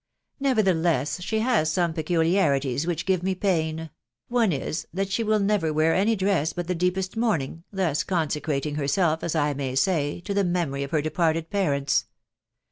Nevertheless she has some peculiarities which give me pain, .... one is, that she will never wear any dress buf the deepest mourning, thus consecrating herself, as I may say, to the memory of her departed parents.